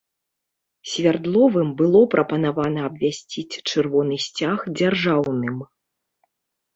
Свярдловым было прапанавана абвясціць чырвоны сцяг дзяржаўным.